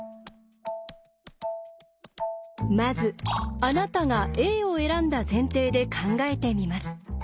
まずあなたがＡを選んだ前提で考えてみます。